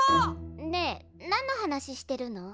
ねえ何の話してるの？